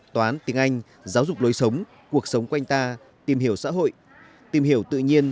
toán tiếng anh giáo dục lối sống cuộc sống quanh ta tìm hiểu xã hội tìm hiểu tự nhiên